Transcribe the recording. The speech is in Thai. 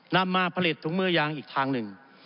นำมาผลิตถุงมือยางอีกทางหนึ่ง